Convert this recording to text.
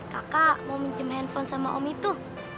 kakak mau pinjam handphone sama om itu